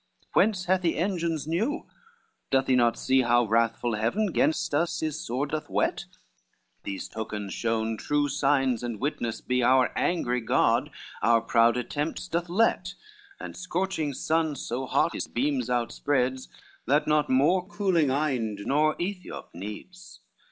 Whence hath he engines new? doth he not see, How wrathful Heaven gainst us his sword doth whet? These tokens shown true signs and witness be Our angry God our proud attempts doth let, And scorching sun so hot his beams outspreads, That not more cooling Inde nor Aethiop needs.